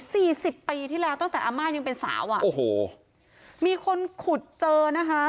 สิบปีที่แล้วตั้งแต่อาม่ายังเป็นสาวอ่ะโอ้โหมีคนขุดเจอนะคะ